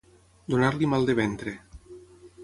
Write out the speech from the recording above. Donar-li mal de ventre.